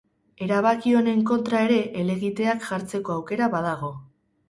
Erabaki honen kontra ere helegiteak jartzeko aukera badago.